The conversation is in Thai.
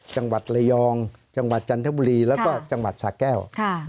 จังหวัดระยองจังหวัดจันทบุรีแล้วก็จังหวัดสาแก้ว